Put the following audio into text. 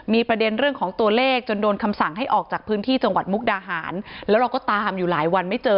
มีประเด็นเรื่องของตัวเลขจนโดนคำสั่งให้ออกจากพื้นที่จังหวัดมุกดาหารแล้วเราก็ตามอยู่หลายวันไม่เจอ